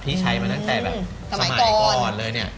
ที่ใช้มาตั้งแต่แบบสมัยก่อนเลยเนี่ย